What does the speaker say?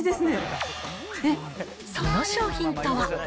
その商品とは。